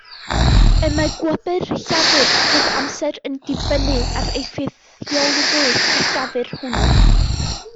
Y mae gwobr llafur bob amser yn dibynnu ar effeithiolrwydd y llafur hwnnw.